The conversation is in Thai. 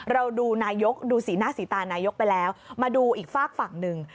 เราดูสินาสีตานายกไปแล้วมาดูอีกฝากฝั่งหนึ่ง